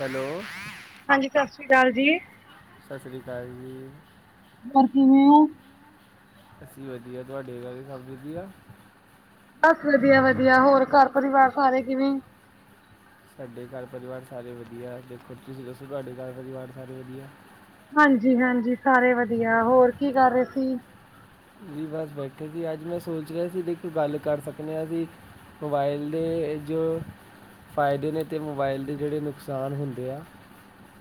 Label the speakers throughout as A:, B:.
A: Hello
B: ਹਾਂਜੀ ਸਤਿ ਸ਼੍ਰੀ ਅਕਾਲ ਜੀ
A: ਸਸਰੀ ਕਾਲ ਜੀ।
B: ਹੋਰ ਕਿਵੇਂ ਓ।
A: ਅਸੀਂ ਵਧੀਆ, ਤੁਹਾਡੇ ਘਰ ਸਭ ਵਧੀਆ?
B: ਬਸ ਵਧੀਆ ਵਧੀਆ, ਹੋਰ ਘਰ ਪਰਿਵਾਰ ਸਾਰੇ ਕਿਵੇਂ?
A: ਸਾਡੇ ਘਰ ਪਰਿਵਾਰ ਸਾਰੇ ਵਧੀਆ, ਦੇਖੋ ਤੁਸੀਂ ਦੱਸੋ ਤੁਹਾਡੇ ਘਰ ਪਰਿਵਾਰ ਸਾਰੇ ਵਧੀਆ?
B: ਹਾਂਜੀ ਹਾਂਜੀ, ਸਾਰੇ ਵਧੀਆ, ਹੋਰ ਕੀ ਕਰ ਰਹੇ ਸੀ?
A: ਜੀ ਬਸ ਬੈਠੇ ਸੀ, ਅੱਜ ਮੈਂ ਸੋਚ ਰਿਹਾ ਸੀ, ਦੇਖੋ ਕੋ ਗੱਲ ਕਰ ਸਕਨੇ ਐ ਐਸੀ। ਮੋਬਾਈਲ ਦੇ ਜੋ ਫਾਇਦੇ ਨੇ ਤੇ ਮੋਬਾਇਲ ਦੇ ਜਿਹੜੇ ਨੁਕਸਾਨ ਹੁੰਦੇ ਆ-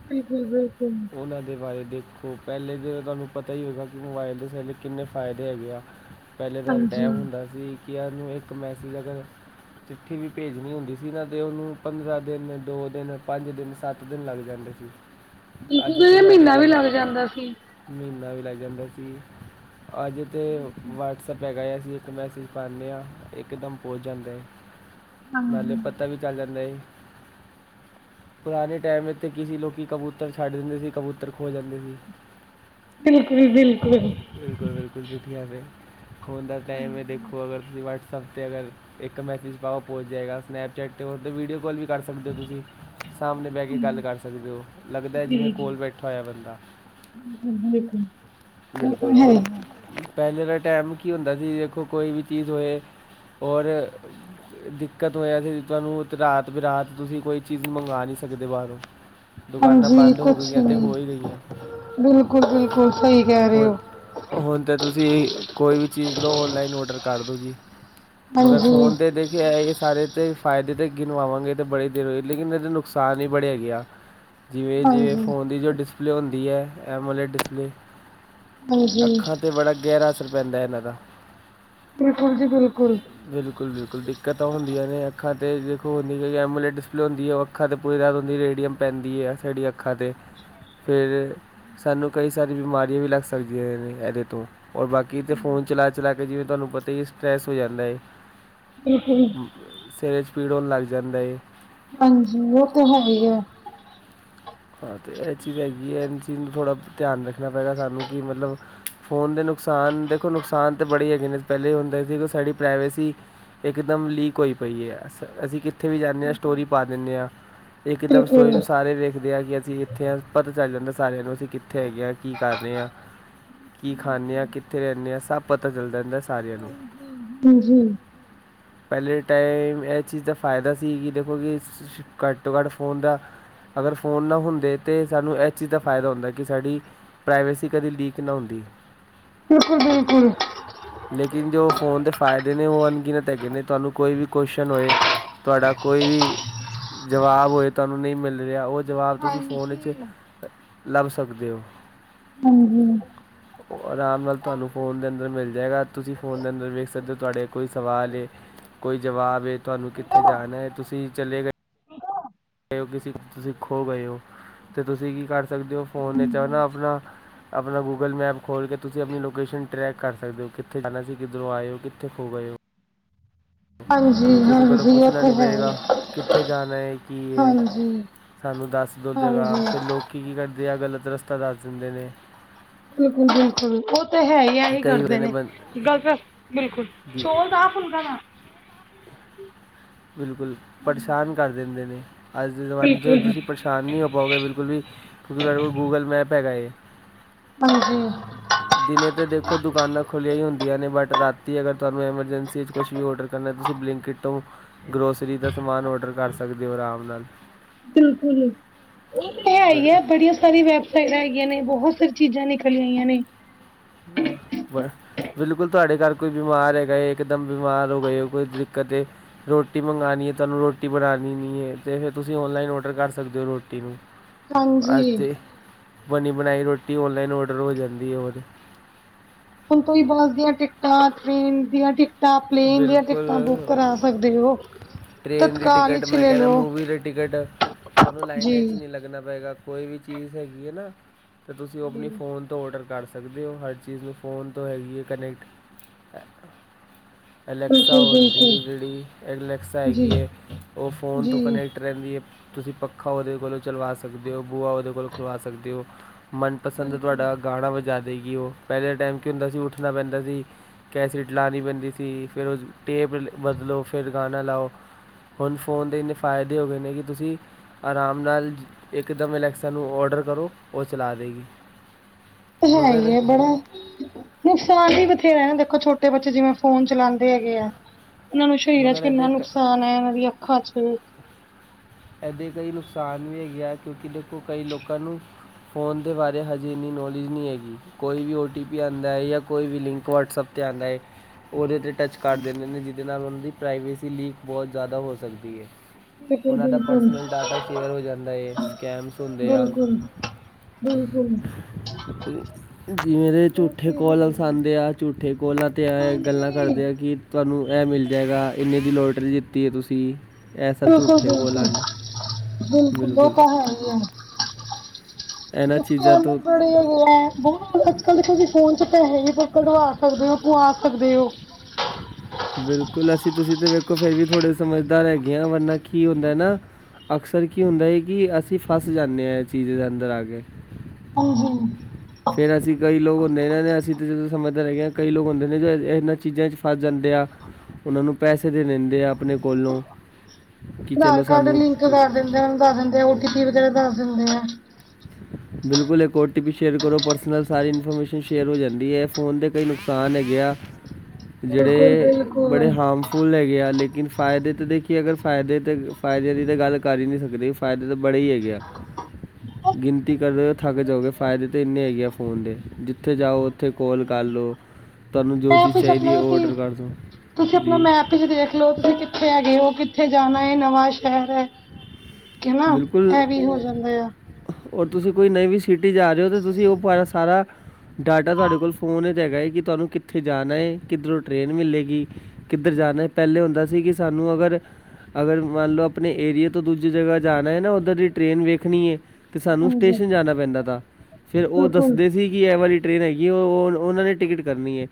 B: ਬਿਲਕੁਲ ਬਿਲਕੁਲ।
A: ਉਹਨਾਂ ਦੇ ਬਾਰੇ ਦੇਖੋਂ, ਪਹਿਲੇ ਤਾਂ ਤੁਹਾਨੂੰ ਪਤਾ ਹੀ ਹੋਏਗਾ, ਕਿ ਮੋਬਾਇਲ ਦੇ ਸਾਨੂੰ ਕਿੰਨੇ ਫਾਇਦੇ ਹੈਗੇ ਆ। ਪਹਿਲੇ ਤਾਂ
B: ਹਾਂਜੀ
A: ਟਾਇਮ ਹੁੰਦਾ ਸੀ, ਕਿ ਇਹਨੂੰ ਇੱਕ ਮੈਸੇਜ ਅਗਰ ਚਿੱਠੀ ਵੀ ਭੇਜਣੀ ਹੁੰਦੀ ਸੀ ਨਾ, ਤੇ ਉਹਨੂੰ ਪੰਦਰਾਂ ਦਿਨ, ਦੋ ਦਿਨ, ਪੰਜ ਦਿਨ, ਸੱਤ ਦਿਨ ਲੱਗ ਜਾਂਦੇ ਸੀ।
B: ਬਿਲਕੁਲ, ਮਈਨਾਂ ਵੀ ਲੱਗ ਜਾਂਦਾ ਸੀ।
A: ਮੀਨਾ ਵੀ ਲੱਗ ਜਾਂਦਾ ਸੀ, ਅੱਜ ਤੇ ਵਟਸ ਐਪ ਹੈਗਾ ਐ, ਅਸੀਂ ਇੱਕ ਮੈਸੇਜ ਪਾਨੇ ਆ, ਇਕ ਦਮ ਪਹੁੰਚ ਜਾਂਦਾ ਐ, ਨਾਲੇ
B: ਹਾਂਜੀ।
A: ਪਤਾ ਵੀ ਚੱਲ ਜਾਂਦਾ ਐ, ਪੁਰਾਣੇ ਟਾਈਮ ਵਿਚ ਕੀਸੀ ਲੋਕੀ ਕਬੂ ਤਰ ਛੱਡ ਦਿੰਦੇ ਸੀ, ਕਬੂਤਰ ਖੋ ਜਾਂਦੇ ਸੀ।
B: ਬਿਲਕੁਲ-ਬਿਲਕੁਲ।
A: ਬਿਲਕੁਲ-ਬਿਲਕੁਲ, ਚਿੱਠੀਆਂ ਨੇ, ਹੁਨ ਦਾ ਟਾਈਮ ਐ, ਦੇਖੋ ਅਗਰ ਤੁਸੀਂ ਵਟਸਐ ਸਭ ਤੇ ਅਗਰ ਇੱਕ ਮੈਸੇਜ ਪਾਓ ਪਹੁੰਚ ਜਾਏਗਾ, ਸਨੈਪਚੈਟ 'ਤੇ ਹੋ ਵੀਡੀਓ ਕੋਲ ਵੀ ਕਰ ਸਕਦੇ ਓ ਤੁਸੀਂ, ਸਾਹਮਣੇ ਬਹਿ ਕੇ ਗੱਲ ਕਰ ਸਕਦੇ ਓ, ਲੱਗਦਾ ਜਿਵੇਂ
B: ਜੀ ਜੀ।
A: ਕੋਲ ਬੈਠਾ ਹੋਇਆ ਬੰਦਾ।
B: ਬਿਲਕੁਲ। ਉਹ ਤਾਂ
A: ਬਿਲਕੁਲ,
B: ਹੈ
A: ਔਰ ਪਹਿਲੇ ਦਾ ਟਾਈਮ ਕੀ ਹੁੰਦਾ ਸੀ, ਦੇਖੋ ਕੋਈ ਵੀ ਚੀਜ਼ ਹੋਏ ਔਰ ਦਿੱਕਤ ਹੋ ਜਾਂਦੀ ਸੀ, ਤੁਹਾਨੂੰ ਤੇ ਰਾਤ-ਬਰਾਤ ਤੁਸੀਂ ਕੋਈ ਚੀਜ਼ ਮੰਗਾ ਨੀ ਸਕਦੇ ਬਾਹਰੋਂ। ਦੁਕਾਨਾਂ ਬੰਦ ਹੋ ਗਈਆਂ ਤੇ ਹੋ ਈ ਗਈਆਂ।
B: ਬਿਲਕੁਲ-ਬਿਲਕੁਲ।
A: ਹੁਣ, ਹੁਣ ਤਾਂ ਤੁਸੀਂ ਕੋਈ ਵੀ ਚੀਜ਼ ਲਓ, ਔਨਲਾਈਨ ਔਡਰ ਕਰ ਦਉ ਜੀ। ਮਗਰ
B: ਹਾਂਜੀ
A: ਫੋਨ ਤੇ ਦੇਖੇ, ਇਹ ਸਾਰੇ ਤੇ ਫ਼ਾਇਦੇ ਤੇ ਗਿਣਵਾਵਾਂਗੇ ਤੇ ਬੜੇ ਦੇਰ, ਲੇਕਿਨ ਇਹਦੇ ਨੁਕਸਾਨ ਵੀ ਬੜੇ ਹੈਗੇ ਆ। ਜਿਵੇਂ, ਜਿਵੇਂ
B: ਹਾਂਜੀ।
A: ਫ਼ੋਨ ਦੀ ਜੋ ਡਿਸਪਲੇ ਹੁੰਦੀ ਐ, ਐਮੂਲੇ ਡਿਸਪਲੇ
B: ਹਾਂਜੀ
A: ਅੱਖਾਂ ਤੇ ਬੜਾ ਗਹਿਰਾ ਅਸਰ ਪੈਂਦਾ ਐ ਇਹਨਾਂ ਦਾ।
B: ਬਿਲਕੁਲ ਜੀ ਬਿਲਕੁਲ।
A: ਬਿਲਕੁਲ-ਬਿਲਕੁਲ, ਦਿੱਕਤਾਂ ਹੁੰਦੀਆਂ ਨੇ ਅੱਖਾਂ ਤੇ ਦੇਖੋਂ ਹੁੰਦੀ ਐ, ਐਮੂਲੇਟ ਡਿਸਪਲੇ ਹੁੰਦੀ ਐ ਉਹ ਅੱਖਾਂ ਤੇ ਪੂਰੀ [unintelligible] ਰੇਡੀਅਮ ਪੈਂਦੀ ਐ, ਸਾਡੀ ਅੱਖ ਅੱਖਾਂ ਤੇ ਫਿਰ ਸਾਨੂੰ ਕਈ ਸਾਰੀਆਂ ਬਿਮਾਰੀਆਂ ਵੀ ਲੱਗ ਸਕਦੀਆਂ ਨੇ ਇਹਦੇ ਤੋਂ। ਔਰ ਬਾਕੀ ਤੇ ਫੋਨ ਚਲਾ-ਚਲਾ ਕੇ, ਜਿਵੇਂ ਤੁਹਾਨੂੰ ਪਤਾ ਹੀ ਸਟਰੈਸ ਹੋ ਜਾਂਦਾ ਐ।
B: [inaudible]
A: ਸਿਰ 'ਚ ਪੀੜ ਹੋਣ ਲੱਗ ਜਾਂਦਾ ਏ।
B: ਹਾਂਜੀ, ਉਹ ਤੇ ਹੈ ਈ ਐ।
A: ਹਾਂ ਤੇ, ਇਹ ਚੀਜ਼ ਹੈਗੀ ਐਂ, ਇਹ ਚੀਜ਼ ਨੂੰ ਥੋੜ੍ਹਾ ਧਿਆਨ ਰੱਖਣਾ ਪਏਗਾ ਸਾਨੂੰ, ਕਿ ਮਤਲਬ ਫੋਨ ਦੇ ਨੁਕਸਾਨ ਦੇਖੋਂ ਨੁਕਸਾਨ ਤਾਂ ਬੜੇ ਹੈਗੇ ਨੇ, ਪਹਿਲੇ ਹੁੰਦੇ ਸੀ ਕਿ ਸਾਡੀ ਪ੍ਰਾਈਵੇਸੀ ਇਕਦਮ ਲੀਕ ਹੋਈ ਪਈ ਐ, ਅਸੀਂ ਕਿੱਥੇ ਵੀ ਜਾਂਨੇ ਆ, ਸਟੋਰੀ ਪਾ ਦਿੰਨੇ ਆ। ਇੱਕਦਮ
B: ਬਿਲਕੁਲ
A: ਸਟੋਰੀ ਨੂੰ ਸਾਰੇ ਵੇਖਦੇ ਆ ਕਿ ਅਸੀਂ ਇੱਥੇ ਐ, ਪਤਾ ਚੱਲ ਜਾਂਦਾ ਸਾਰਿਆਂ ਨੂੰ ਅਸੀਂ ਕਿੱਥੇ ਹੈਗੇ ਐ। ਕੀ ਕਰ ਰਹੇ ਆ, ਕੀ ਖਾਂਦੇ ਆ, ਕਿੱਥੇ ਰਹਿੰਦੇ ਐ, ਸਭ ਪਤਾ ਚੱਲਦਾ ਰਹਿੰਦਾ
B: ਹਾਂਜੀ, ਹਾਂਜੀ।
A: ਪਹਿਲੇ ਟਾਈਮ, ਇਹ ਚੀਜ਼ ਦਾ ਫ਼ਾਇਦਾ ਸੀ, ਕਿ ਦੇਖੋ ਕਿ ਘੱਟ ਤੋਂ ਘੱਟ ਫੋਨ ਦਾ, ਅਗਰ ਫੋਨ ਨਾ ਹੁੰਦੇ ਤੇ, ਸਾਨੂੰ ਇਸ ਚੀਜ਼ ਦਾ ਫ਼ਾਇਦਾ ਹੁੰਦਾ ਕਿ ਸਾਡੀ ਪ੍ਰਾਈਵੇਸੀ ਕਦੇ ਲੀਕ ਨਾ ਹੁੰਦੀ।
B: ਬਿਲਕੁਲ- ਬਿਲਕੁਲ।
A: ਲੇਕਿਨ ਜੋ ਫੋਨ ਦੇ ਫ਼ਾਇਦੇ ਨੇ, ਉਹ ਅਨਗਿਨਤ ਹੈਗੇ ਨੇ, ਤੁਹਾਨੂੰ ਕੋਈ ਵੀ ਕੋਸ਼ਨ ਹੋਏ। ਤੁਹਾਡਾ ਕੋਈ ਵੀ ਜਵਾਬ ਹੋਏ, ਤੁਹਾਨੂੰ ਨਹੀਂ ਮਿਲ ਰਿਆ, ਉਹ ਜਵਾਬ ਤੁਸੀਂ
B: ਹਾਂਜੀ
A: ਫੋਨ 'ਚ, ਲੱਭ ਸਕਦੇ ਹੋ।
B: ਹਾਂਜੀ
A: [inaudible] ਉਹ ਆਰਾਮ ਨਾਲ ਤੁਹਾਨੂੰ ਫ਼ੋਨ ਦੇ ਅੰਦਰ ਮਿਲ ਜਾਏਗਾ, ਤੁਸੀਂ ਫ਼ੋਨ ਦੇ ਅੰਦਰ ਵੇਖ ਸਕਦੇ ਹੋ ਤੁਹਾਡੇ ਕੋਈ ਸਵਾਲ ਐ। ਕੋਈ ਜਵਾਬ ਏ, ਤੁਹਾਨੂੰ ਕਿੱਥੇ ਜਾਣਾ ਐ, ਤੁਸੀਂ ਚਲੇੇ ਗਏ ਉ ਤੁਸੀਂ ਖੋ ਗਏ ਹੋ, ਤੇ ਤੁਸੀਂ ਕੀ ਕਰ ਆਪ ਸਕਦੇ ਹੋ ਫੋਨ 'ਚ ਆਪਣਾ, ਆਪਣਾ ਆ ਆਪਣਾ ਗੂਗਲ ਮੈਪ ਖੋਲ੍ਹ ਕੇ, ਤੁਸੀਂ ਆਪਣੀ ਲੋਕੇਸ਼ਨ ਟਰੈਕ ਕਰ ਸਕਦੇ ਹੋ, ਕਿੱਥੇ ਜਾਣਾ ਸੀ ਕਿੱਧਰੋਂ ਆਏ ਹੋ, ਕਿੱਥੇ ਖੋ ਗਏ ਹੋ। ਤੁਹਾਨੂੰ
B: ਹਾਂਜੀ ਹਾਂਜੀ
A: ਕਿਸੇ ਕੋਲੋਂ
B: ਹਾਂਜੀ ਉਹ
A: ਪੁੱਛਣਾ ਨੀ
B: ਤੇ ਹੈ ਹੀ
A: ਪਏਗਾ, ਕਿੱਥੇ ਜਾਣਾ ਹੈ, ਕੀ ਇਹ।
B: ਹਾਂਜੀ
A: ਸਾਨੂੰ ਦੱਸ ਦਉ ਜਗ੍ਹਾ,
B: ਹਾਂਜੀ
A: ਫਿਰ ਲੋਕੀ ਕੀ ਕਰਦੇ ਆ, ਗਲਤ ਰਸਤਾ ਦੱਸ ਦਿੰਦੇ ਨੇ।
B: ਬਿਲਕੁਲ -ਬਿਲਕੁਲ, ਉਹ ਉਹ ਹੈ ਹੀ ਆ, ਐਮੇ
A: ਕਈ ਹੁੰਦੇ
B: ਕਰਦੇ ਨੇ
A: ਬੰ-
B: ਗ ਬਿਲਕੁਲ
A: ਦੀ-
B: ਚੌਲਦਾ ਫੁਲਕਾ ਦਾ [inaudible]
A: ਬਿਲਕੁਲ, ਪਰੇਸ਼ਾਨ ਕਰ ਦਿੰਦੇ ਨੇ, ਅੱਜ ਦੇ ਜ਼ਮਾਨੇ 'ਚ
B: ਬਿਲਕੁਲ
A: ਤੁਸੀਂ ਪਰੇ ਸ਼ਾਨ ਨਹੀਂ ਹੋ ਪਾਉਗੇ ਬਿਲਕੁਲ ਵੀ, ਕਿਉਂਕਿ ਤੁਹਾਡੇ ਕੋਲ ਗੂਗਲ ਮੈਪ ਹੈਗਾ‌ ਐ।
B: ਹਾਂਜੀ
A: ਦਿਨੇ ਤੇ ਦੇਖੋਂ ਦੁਕਾਨਾਂ ਖੁੱਲੀਆਂ ਹੀ ਹੁੰਦੀਆਂ ਨੇ, ਬਟ ਰਾਤੀ ਅਗਰ ਤੁਹਾਨੂੰ ਐਮਰਜੈਂਸੀ 'ਚ ਕੁਛ ਵੀ ਔਡਰ ਕਰਨਾ, ਤੁਸੀਂ ਬਲਿੰਕਟੋ, ਗਰੋਸਰੀ ਦਾ ਸਮਾਨ ਔਡਰ ਕਰ ਸਕਦੇ ਹੋ ਆਰਾਮ ਨਾਲ।
B: ਬਿਲਕੁਲ, ਇਹ ਤੇ ਹੈ
A: ਬਿ-
B: ਹੀ ਹੈ ਬਟ ਬੜੀਆਂ ਸਾਰੀ ਵੈਬਸਾਈਟ ਹੈਗੀਆਂ ਨੇ, ਬਹੁਤ ਸਾਰੀ ਚੀਜ਼ਾਂ ਨਿਕਲ ਆਈਆਂ ਨੇ।
A: ਬ [unintelligible] ਬਿਲਕੁਲ ਤੁਹਾਡੇ ਘਰ ਕੋਈ ਬਿਮਾਰ ਹੈਗਾ ਏ, ਇੱਕ ਦਮ ਬਿਮਾਰ ਹੋ ਗਏ ਹੋ, ਕੋਈ ਦਿੱਕਤ ਐ। ਰੋਟੀ ਮੰਗਵਾਉਣੀ ਐ, ਤੁਹਾਨੂੰ ਰੋਟੀ ਬਣਾਉਣੀ ਨਹੀਂ ਐ, ਤੇ ਫਿਰ ਤੁਸੀਂ ਔਨਲਾਈਨ ਔਡਰ ਕਰ ਸਕਦੇ ਹੋ ਰੋਟੀ ਨੂੰ। ਅੱਜ
B: ਹਾਂਜੀ
A: ਤੇ, ਬਣੀ ਬਣਾਈ ਰੋਟੀ ਓਨਲਾਈਨ ਓਡਰ ਹੋ ਜਾਂਦੀ ਐ ਔਰ।
B: ਹੁਣ ਕੋਈ ਬਾਹਰ ਦੀਆਂ ਟਿਕਟਾਂ, ਟ੍ਰੇਨ ਦੀਆਂ ਟਿਕ ਟਾ, ਪਲੇਨ ਦੀਆਂ ਟਿਕਟਾਂ ਬੁੱਕ
A: ਬਿਲਕੁਲ
B: ਕਰਾ ਸਕਦੇ ਹੋ।
A: ਟ੍ਰੇਨ ਦੀ
B: ਤਤਕਾਲ
A: ਟਿਕਟ,
B: ਵਿੱਚ
A: ਮੈਂ
B: ਲੈ
A: ਕਹਿਨਾ
B: ਲਓ
A: ਮੂਵੀ ਦੀ ਟਿਕਟ, ਆਪ
B: ਜੀ।
A: ਲਾਈਨਾਂ 'ਚ ਨਈ ਲੱਗਣਾ ਪਏਗਾ। ਕੋਈ ਵੀ ਚੀਜ਼ ਹੈਗੀ ਹੈ ਨਾ, ਤੇ ਤੁਸੀਂ ਉਹ
B: ਜੀ।
A: ਆਪਣੀ ਫੋਨ ਤੋਂ ਔਡਰ ਕਰ ਸਕਦੇ ਹੋ, ਹਰ ਚੀਜ਼ ਨੂੰ ਫ਼ੋਨ ਤੋਂ ਹੈਗੀ ਹੈ ਕਨੈਕਟ। ਤ ਐ [unintelligible] ਅਲੈਕਸਾ
B: ਬਿਲਕੁਲ,
A: ਹੁੰਦੀ
B: ਬਿਲਕੁਲ
A: ਐ ਜਿਹੜੀ, ਅਲੈਕਸਾ
B: ਜੀ,
A: ਹੈਗੀ ਹੈ, ਉਹ ਫੋਨ ਤੋਂ
B: ਜੀ।
A: ਕਨੈਕਟ ਕਟ ਰਹਿੰਦੀ ਐ, ਤੁਸੀਂ ਪੱਖਾ ਉਹਦੇ ਕੋਲੋਂ ਚੱਲਵਾ ਸਕਦੇ ਹੋ, ਬੂਆ ਉਹਦੇ ਕੋਲੋਂ ਖੁਲਵਾ ਸਕਦੇ ਹੋ। ਮਨਪਸੰਦ
B: ਬਿਲਕੁਲ।
A: ਤੁਹਾਡਾ ਗਾਣਾ ਵਜਾ ਦੇ ਗੀ ਉਹ, ਪਹਿਲੇ ਟਾਈਮ ਕੀ ਹੁੰਦਾ ਸੀ, ਉੱਠਣਾ ਪੈਂਦਾ ਸੀ ਕੈਸਡ ਲਾਨੀ ਪੈਂਦੀ ਸੀ। ਤੇ ਫਿਰ ਉਹ ਟੇਪ ਬਦਲੋ, ਫਿਰ ਗਾਣਾ ਲਾਓ। ਹੁਣ ਫੋਨ ਦੇ ਇੰਨੇਂ ਫ਼ਾਇਦੇ ਹੋ ਗਏ ਨੇ, ਕਿ ਤੁਸੀਂ ਆਰਾਮ ਨਾਲ, ਇੱਕਦਮ ਅਲੈਕਸਾ ਨੂੰ ਔਡਰ ਕਰੋ, ਉਹ ਚਲਾ ਦੇਗੀ।
B: ਉਹ ਤੇ ਹੈ
A: ਮਗਰ
B: ਹੀ ਐ ਬੜਾ ਨੁਕਸਾਨ ਵੀ ਬਥੇਰਾ ਐ ਨਾ, ਦੇਖੋਂ ਛੋਟੇ ਬੱਚੇ ਜਿਵੇਂ ਫੋਨ ਚਲਾਉਂਦੇ ਹੈਗੇ ਆ। ਇਹਨਾਂ ਨੂੰ ਸਰੀਰਾਂ 'ਚ
A: ਮਗਰ
B: ਕਿੰਨਾ
A: ਇਹਦੇ ਕ-
B: ਨੁਕਸਾਨ ਐ, ਉਹਨਾਂ ਦੀਆਂ ਅੱਖਾਂ 'ਚ।
A: ਇਹਦੇ ਕਈ ਨੁਕਸਾਨ ਵੀ ਹੈਗੇ ਆ, ਕਿਉਂਕਿ ਦੇਖੋਂ ਕਈ ਲੋਕਾਂ ਨੂੰ ਫ਼ੋਨ ਦੇ ਬਾਰੇ ਹਜੇ ਇੰਨੀ ਨੌਲੇਜ ਨਹੀਂ ਹੈਗੀ। ਕੋਈ ਵੀ ਓ ਟੀ ਪੀ ਆਂਦਾ ਐ, ਜਾਂ ਕੋਈ ਵੀ ਲਿੰਕ ਵਟਸਐਪ 'ਤੇ ਆਦਾ ਐ‌। ਉਹਦੇ ਤੇ ਟੱਚ ਕਰ ਦਿੰਦੇ ਨੇ, ਜਿਹਦੇ ਨਾਲ ਉਹਨਾਂ ਦੀ ਪ੍ਰਾਈਵੇਸੀ ਲੀਕ ਬਹੁਤ ਜ਼ਿਆਦਾ ਹੋ ਸਕਦੀ ਐ।
B: ਬਿਲਕੁਲ,
A: ਉਹਨਾਂ ਦਾ
B: ਬਿਲਕੁਲ,
A: ਪਰਸਨਲ ਡਾਟਾ ਸ਼ੇਅਰ ਹੋ ਜਾਂਦਾ ਏ, ਸਕੈਮਸ ਹੁੰਦੇ ਆ।
B: ਹੂੰ ਹੂੰ।
A: [inaudible] ਜਿਵੇਂ ਦੇ ਝੂਠੇ
B: ਹੈ
A: ਕੋਲਸ
B: ਹੀ
A: ਆਦੇ ਆ, ਝੂਠੇ ਕੋਲਾਂ 'ਤੇ ਆ ਗੱਲਾਂ
B: ਹਾਂਜੀ।
A: ਕਰਦੇ ਆ ਕੀ ਤੁਹਾਨੂੰ ਇਹ ਮਿਲ ਜਾਏਗਾ ਇੰਨੇ ਦੀ ਲੋਟਰੀ ਜਿੱਤੀ ਹੈ ਤੁਸੀਂ। ਇਹ ਸਭ
B: ਬਿਲਕੁਲ
A: ਝੂਠੇ
B: ਬਿਲਕੁਲ
A: ਕਾਲਾਂ ਨੇ
B: ਬਿਲਕੁਲ ਉਹ ਤਾਂ ਹੈ ਹੀ ਹੈ।
A: ਇਹਨਾਂ
B: ਕਿੱਥੇ
A: ਚੀਜ਼ਾਂ
B: ਉਹਨੂੰ
A: ਤੋਂ
B: ਬੜੀ ਹੈ ਗਿਆ ਹੈ। ਬਹੁਤ ਅੱਜ ਕੱਲ੍ਹ ਦੇਖੋ ਜੀ ਫੋਨ ਚ ਪੈਸੇ ਹੀ ਕੱਢਵਾ ਸਕਦੇ ਹੋ ਪਵਾ ਸਕਦੇ ਹੋ।
A: ਬਿਲਕੁਲ ਅਸੀਂ ਤੁਸੀਂ ਤੇ ਵੇਖੋ ਫੇਰ ਵੀ ਥੋੜੇ ਸਮਝਦਾਰ ਹੈਗੇ ਹਾਂ ਵਰਨਾ ਕੀ ਹੁੰਦਾ ਨਾ ਅਕਸਰ ਕੀ ਹੁੰਦਾ ਸੀ ਕਿ ਅਸੀਂ ਫਸ ਜਾਂਦੇ ਹਾਂ ਇਸ ਚੀਜ਼ ਦੇ ਅੰਦਰ ਆ ਕੇ।
B: ਆਧਾਰ
A: [inaudible] ਫਿਰ ਅਸੀਂ ਕਈ ਲੋਕ ਹੁੰਦੇ ਇਹਨਾਂ ਨੇ ਅਸੀਂ ਤਾਂ ਜਦੋਂ ਸਮਝਦੇ ਰਹਿ ਗਿਆ ਹਾਂ ਕਈ ਲੋਕ ਹੁੰਦੇ ਨੇ ਜੋ ਇਹਨਾਂ ਚੀਜ਼ਾਂ 'ਚ ਫਸ ਜਾਂਦੇ ਆ। ਉਹਨਾਂ ਨੂੰ ਪੈਸੇ ਦੇ ਦਿੰਦੇ ਆ ਆਪਣੇ ਕੋਲੋਂ। ਕਿ
B: ਆਧਾਰ
A: ਚਲੋ
B: ਕਾਰਡ
A: ਸਾਨੂੰ
B: ਲਿੰਕ
A: ਤੁ-
B: ਕਰ ਦਿੰਦੇ ਆ ਉਹਨੂੰ ਦੱਸ ਦਿੰਦੇ ਆ ਓ ਟੀ ਪੀ ਵਗੈਰਾ ਦਸ ਦਿੰਦੇ ਆ।
A: [inaudible] ਬਿਲਕੁਲ ਇੱਕ ਓ ਟੀ ਪੀ ਸ਼ੇਅਰ ਕਰੋ ਪਰਸਨਲ ਸਾਰੀ ਇਨਫੋਰਮੇਸ਼ਨ ਸ਼ੇਅਰ ਹੋ ਜਾਂਦੀ ਹੈ ਫੋਨ ਦੇ ਕਈ ਨੁਕਸਾਨ ਹੈਗੇ ਆ।
B: ਬਿਲਕੁਲ
A: ਜਿਹੜੇ
B: ਬਿਲਕੁਲ
A: ਬੜੇ ਹਾਰਫੁਲ ਫੁੱਲ ਹੈਗੇ ਆ ਲੇਕਿਨ ਫਾਇਦੇ ਤਾਂ ਦੇਖੀਏ ਅਗਰ ਫਾਇਦੇ ਤਾਂ ਫਾਇਦੇ ਦੀ ਤਾਂ ਗੱਲ ਕਰ ਹੀ ਨਹੀਂ ਸਕਦੇ। ਫਾਇਦੇ ਤਾਂ ਬੜੇ ਹੀ ਹੈ ਗਿਆ। ਗਿਣਤੀ ਕਰਦੇ ਥੱਕ ਜਾਓਗੇ ਫਾਇਦੇ ਤਾਂ ਇੰਨੇ ਹੈ ਆ ਫੋਨ ਦੇ ਜਿੱਥੇ ਜਾਓ ਉੱਥੇ ਕਲ ਕਰ ਲਓ। ਤੁਹਾਨੂੰ ਜੋ
B: ਮੈਪ
A: ਚੀਜ਼
B: ਵਿੱਚ
A: ਚਾਹੀਦੀ ਹੈ
B: ਆਪਣਾ
A: ਉਹ ਔਡਰ ਕਰ ਦਿਉ ਜੀ।
B: ਤੁਸੀ ਦੇਖਲੋ ਤੁਸੀਂ ਕਿੱਥੇ ਹੈਗੇ ਹੋ ਕਿੱਥੇ ਜਾਣਾ ਇਹ ਨਵਾਂ ਸ਼ਹਿਰ ਹੈ। ਕੀ ਨਾ
A: ਬਿਲਕੁਲ
B: ਇਹ ਵੀ ਹੋ ਜਾਂਦਾ ਆ।
A: ਔਰ ਤੁਸੀਂ ਕੋਈ ਨਵੀਂ ਸਿਟੀ ਆਜੋ ਤਾਂ ਤੁਸੀਂ ਉਹ ਸਾਰਾ ਡਾਟਾ ਤੁਹਾਡੇ ਕੋਲ ਫੋਨ ਹੈਗਏ ਕਿ ਤੁਹਾਨੂੰ ਕਿੱਥੇ ਜਾਣਾ ਹੈ ਕਿੱਧਰੋਂ ਟ੍ਰਰੇਨ ਮਿਲੇਗੀ। ਕਿੱਧਰ ਜਾਣਾ ਪਹਿਲੇ ਹੁੰਦਾ ਸੀ ਕਿ ਸਾਨੂੰ ਅਗਰ, ਅਗਰ ਮੰਨ ਲਓ ਆਪਣੇ ਏਰੀਏ ਤੋਂ ਦੂਜੀ ਜਗਾ ਜਾਣਾ ਹੈ ਨਾ ਉੱਧਰ ਦੀ ਟ੍ਰੇਨ ਵੇਖਣੀ ਏ ਤੇ ਸਾਨੂੰ
B: ਹਾਂਜੀ
A: ਸਟੇਸ਼ਨ ਜਾਣਾ ਪੈਂਦਾ ਤਾ, ਫਿਰ ਉਹ
B: ਬਿਲਕੁਲ
A: ਦੱਸਦੇ ਸੀ ਕਿ ਐ ਵਾਲੀ ਟ੍ਰੇਨ ਹੈਗੀ ਉਹ ਉਹਨਾਂ ਨੇ ਟਿਕਟ ਕਰਨੀ ਐ।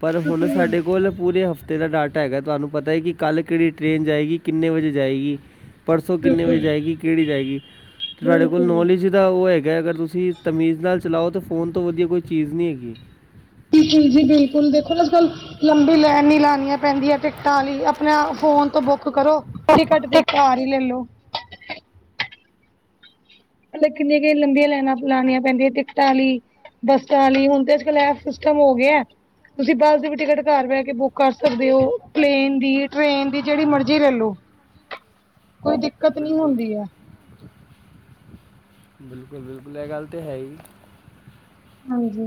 A: ਪਰ ਹੁਣ
B: ਬਿਲਕੁਲ
A: ਸਾਡੇ ਕੋਲ ਪੂਰੇ ਹਫਤੇ ਤੇਰਾ ਡਾਟਾ ਹੈਗਾ ਤੁਹਾਨੂੰ ਪਤਾ ਹੈ ਕਿ ਕੱਲ੍ਹ ਕਿਹੜੀ ਟ੍ਰੇਨ ਜਾਏਗੀ, ਕਿੰਨੇ ਵੱਜੇ ਜਾਏਗੀ ਪਰਸੋਂ ਕਿੰਨੇ ਵੱਜੇ ਵਜੇ
B: ਬਿਲਕੁਲ
A: ਜਾਏਗੀ ਕਿਹੜੀ ਜਾਏਗੀ ਤੁਹਾਡੇ ਕੋਲ
B: ਬਿਲਕੁਲ
A: ਨੌਲੇਜ ਈਦਾ ਉਹ ਹੈਗਾ ਅਗਰ ਤੁਸੀਂ ਤਮੀਜ਼ ਨਾਲ ਚਲਾਓ ਤੇ ਫੋਨ ਤੋਂ ਵਧੀਆ ਕੋਈ ਚੀਜ਼ ਨਹੀਂ ਹੈਗੀ।
B: ਜੀ ਬਿਲਕੁਲ ਦੇਖੋ ਨਾ ਅੱਜ ਕੱਲ੍ਹ ਲੰਬੀ ਲਾਈਨ ਲਾਨੀਆਂ ਪੈਂਦੀ ਆ ਟਿਕਟਾਂ ਲਈ ਆਪਣੇ ਫੋਨ ਤੋਂ ਬੁੱਕ ਤੂੰ ਕਰੋ ਟਿਕਟ ਤੇ ਘਰ ਹੀ ਲੈਲੋ। ਮਤਲਬ ਕਿੰਨੀਆਂ ਕਿਨ ਲੰਬੀਆਂ ਲਾਈਨਾਂ ਲਉਣੀਆਂ ਪੈਂਦੀਆਂ ਟਿਕਟਾਂ ਵਾਲੀ ਬੱਸਾਂ ਲਈ ਹੁਣ ਤੇ ਅੱਜਕਲ ਏਪ ਸਿਸਟਮ ਹੋ ਗਿਆ। ਤੁਸੀਂ ਬੱਸ ਦੀ ਵੀ ਟਿਕਟ ਘਰ ਬਹਿ ਕੇ ਬੁੱਕ ਕਰ ਸਕਦੇ ਹੋ, ਪਲੇਨ ਦੀ, ਟ੍ਰੇਨ ਦੀ ਜਿਹੜੀ ਮਰਜ਼ੀ ਲੈਲੋ।
A: [inaudible] ਬਿਲਕੁਲ ਜੀ,
B: ਹੈ
A: ਬਿਲਕੁਲ -ਬਿਲਕੁਲ ਇਹ ਗੱਲ ਤਾਂ ਹੈ ਹੀ।
B: ਹਾਂਜੀ।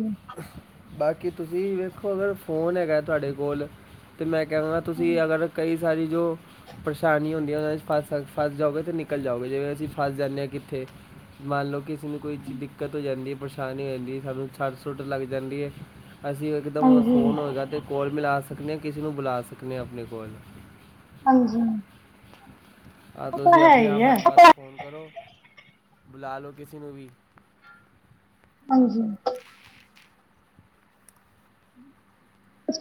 A: ਬਾਕੀ ਤੁਸੀਂ ਵੇਖੋ, ਅਗਰ ਫੋਨ ਹੈਗਾ ਤੁਹਾਡੇ ਕੋਲ ਤੇ ਮੈਂ ਕਹਿਵਾਂਗਾ ਤੁਸੀਂ ਅਗਰ ਕਈ ਸਾਰੀ ਜੋ। ਪਰੇਸ਼ਾਨੀ ਹੁੰਦੀ ਹੈ ਉਹਨਾਂ ਫਸ, ਫਸ ਜਾਓਗੇ ਤੇ ਨਿਕਲ ਜਾਓਗੇ ਜਿਵੇਂ ਅਸੀਂ ਫਸ ਜਾਂਦੇ ਹਾਂ ਕਿੱਥੇ। ਮੰਨ ਲਓ ਕਿ। ਅਸੀਂ ਨੂੰ ਕੋਈ ਚੀਜ਼ ਦਿੱਕਤ ਹੋ ਜਾਂਦੀ ਹੈ, ਪਰੇਸ਼ਾਨੀ ਹੋ ਜਾਂਦੀ ਹੈ ਸਾਨੂੰ ਛੱਟ ਸੁੱਟ ਲੱਗ ਜਾਂਦੀ ਹੈ ਅਸੀਂ ਇਕਦਮ
B: ਹਾਂਜੀ
A: ਫੋਨ ਹੋਏਗਾ ਤੇ ਕੋਲ ਮਿਲਾ ਸਕਦੇ ਹਾਂ ਕਿਸੇ ਨੂੰ ਬੁਲਾ ਸਕਦੇ ਹਾਂ ਆਪਣੇ ਕੋਲ
B: ਹਾਂਜੀ।
A: ਆਹ
B: ਉਹ ਤਾਂ
A: ਤੁਸੀਂ
B: ਹੈ
A: ਆਪਣੇ
B: ਹੀ
A: ਆਪ
B: ਹੈ
A: ਹੱਥ ਪਾਸ ਫੋਨ ਕਰੋ, ਬੁਲਾ ਲੋ ਕਿਸੇ ਨੂੰ ਵੀ
B: ਹਾਂਜੀ।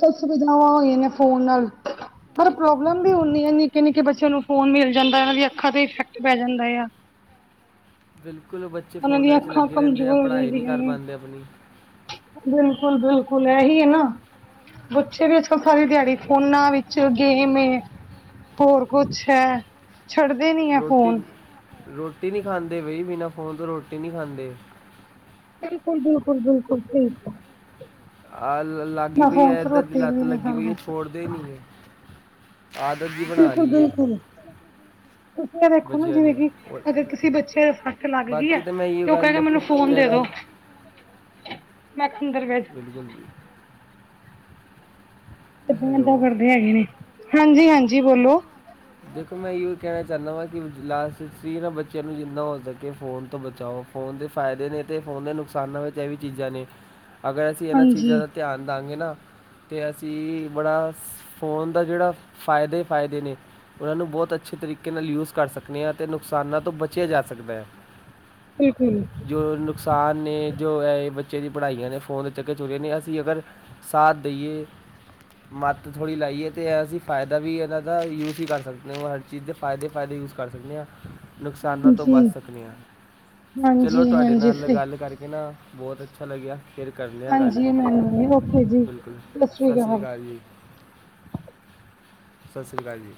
B: ਕੁਛ ਸੁਵਿਧਾਵਾਂ ਹੋਈਆਂ ਨੇ ਫੋਨ ਨਾਲ, ਪਰ
A: ਬਿਲਕੁਲ
B: ਪ੍ਰੋਬਲਮ ਵੀ ਹੁੰਦੀ ਆ ਨਿੱਕੇ- ਨਿੱਕੇ ਬੱਚਿਆਂ ਨੂੰ ਫੋਨ ਮਿਲ ਜਾਂਦਾ, ਇਹਨਾਂ ਦੀ ਅੱਖਾਂ ਤੇ ਇਫੈਕਟ ਪੈ ਜਾਂਦਾ ਆ।
A: ਬਿਲਕੁਲ ਬੱਚੇ
B: ਉਹਨਾਂ ਦੀਆਂ
A: ਫੋਨਾਂ 'ਚ
B: ਅੱਖਾਂ
A: ਲੱਗੇ ਰਹਿੰਦੇ ਆ,
B: ਕਮਜ਼ੋਰ
A: ਪੜ੍ਹਾਈ ਨਹੀਂ ਕਰ ਪਾਉਂਦੇ ਆਪਣੀ
B: ਬਿਲਕੁਲ- ਬਿਲਕੁਲ ਇਹਹੀ ਹੈ ਨਾ। ਬੱਚੇ ਵੀ ਅੱਜਕਲ ਸਾਰੀ ਦਿਹਾੜੀ ਫੋਨਾਂ ਵਿੱਚ ਗੇਮ ਹੋਰ ਕੁਛ ਹੈ ਛੱਡਦੇ ਨੀ ਹੈ
A: ਰੋਟੀ,
B: ਫੋਨ
A: ਰੋਟੀ ਨਹੀਂ ਖਾਂਦੇ ਬਈ ਬਿਨਾਂ ਫ਼ੋਨ ਤੋਂ ਰੋਟੀ ਨਹੀਂ ਖਾਂਦੇ
B: ਬਿਲਕੁਲ- ਬਿਲਕੁਲ, ਬਿਲਕੁਲ- ਬਿਲਕੁਲ
A: ਆ ਲੱਗੀ
B: ਮ ਹੁ
A: ਪਈ ਐ
B: ਤੇ
A: ਇਦਾਂ ਦੀ
B: ਰੋਟੀ
A: ਲੱਤ
B: ਵੀ ਨਹੀਂ
A: ਲੱਗੀ ਪਈ
B: ਖਾਂਦੇ
A: ਐ ਛੋੜਦੇ ਹੀ ਨਹੀਂ ਐ ਆਦਤ ਜੀ ਬਣਾ
B: ਬਿਲਕੁਲ-
A: ਲਈ ਏ
B: ਬਿਲਕੁਲ ਤੁਸੀਂ ਇਹ ਦੇਖੋ ਨਾ
A: ਬੱਚਿਆਂ
B: ਜਿਵੇਂ
A: ਨੇ
B: ਕਿ,
A: ਔਰ
B: ਅਗਰ ਕਿਸੇ ਬੱਚੇ ਦਾ ਫੱਕ ਲੱਗ ਗਈ
A: ਬਾਕੀ
B: ਹੈ
A: ਤਾਂ ਮੈਂ ਇਹ
B: ਤੇ ਉਹ ਕਹਿ
A: ਗੱਲ
B: ਕੇ ਮੈਨੂੰ
A: ਦੇਖੋ
B: ਫੋਨ ਦੇ
A: ਕਹਿਣਾ
B: ਦੋ ਮੈਂਦਰ ਵਿੱਚ [unintelligible]
A: ਬਿਲਕੁਲ ਜੀ
B: ਕਿੱਦਾਂ ਦਾਂ
A: ਹੈਲੋ
B: ਕਰਦੇ ਹੈਗੇ ਨੇ, ਹਾਂਜੀ- ਹਾਂਜੀ ਬੋਲੋ
A: ਦੇਖੋ ਮੈਂ ਇਹੋ ਕਹਿਣਾ ਚਾਹੁੰਦਾ ਵਾਂ ਕਿ ਲਾਸਟ ਸੀ ਨਾ ਬੱਚਿਆਂ ਨੂੰ ਜਿੰਨਾ ਹੋ ਸਕੇ ਫੋਨ ਤੋਂ ਬਚਾਓ ਫੋਨ ਦੇ ਫਾਇਦੇ ਨੇ ਤੇ ਫੋਨ ਦੇ ਨੁਕਸਾਨਾਂ ਵਿੱਚ ਇਹ ਵੀ ਚੀਜ਼ਾਂ ਨੇ, ਅਗਰ ਅਸੀਂ ਇਹਨਾਂ ਚੀਜ਼ਾਂ
B: ਹਾਂਜੀ
A: ਦਾ ਧਿਆਨ ਦਵਾਂਗੇ ਨਾ ਤੇ ਅਸੀਂ, ਬੜਾ ਫੋਨ ਦਾ ਜਿਹੜਾ ਫਾਇਦੇ ਹੀ ਫਾਇਦੇ ਨੇ ਉਹਨਾਂ ਨੂੰ ਬਹੁਤ ਅੱਛੇ ਤਰੀਕੇ ਨਾਲ ਯੂਜ ਕਰ ਸਕਦੇ ਹਾਂ ਤੇ ਨੁਕਸਾਨਾਂ ਤੋਂ ਬਚਿਆ ਜਾ ਸਕਦਾ ਹੈ
B: ਬਿਲਕੁਲ
A: ਜੋ ਨੁਕਸਾਨ ਨੇ, ਜੋ ਇਹ ਬੱਚੇ ਦੀ ਪੜ੍ਹਾਈਆਂ ਨੇ, ਫੋਨ ਦੇ ਚੱਕਰ ਚੁੱਲ ਨੇ ਅਸੀਂ ਅਗਰ ਸਾਥ ਦੇਈਏ ਮੱਤ ਥੋੜ੍ਹੀ ਲਾਈਏ ਤੇ ਅਸੀਂ ਫਾਇਦਾ ਵੀ ਇਹਨਾਂ ਦਾ ਯੂਜ਼ ਹੀ ਕਰਦੇ ਸਕਦੇ ਹੋ, ਹਰ ਚੀਜ਼ ਦੇ ਫਾਇਦੇ- ਫਾਇਦੇ ਯੂਜ ਕਰ ਸਕਦੇ ਹਾਂ ਨੁਕਸਾਨਾਂ ਤੋਂ
B: ਹਾਂਜੀ
A: ਬਚ ਸਕਦੇ ਹਾਂ, ਚਲੋ
B: ਹਾਂਜੀ
A: ਤੁਹਾਡੇ
B: ਹਾਂਜੀ
A: ਨਾਲ
B: ਸਹੀ
A: ਗੱਲ ਕਰਕੇ ਨਾ ਬਹੁਤ ਅੱਛਾ ਲੱਗਿਆ ਫਿਰ ਕਰਨੇ ਆ ਗੱਲ
B: ਹਾਂਜੀ, ਮੈ ਓਕੇ ਜੀ
A: ਬਿਲਕੁਲ
B: ਸਤਿ ਸ੍ਰੀ
A: ਸਤਿ
B: ਅਕਾਲ
A: ਜੀ ਸਤਿ ਸ੍ਰੀ ਅਕਾਲ ਜੀ